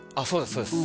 そうです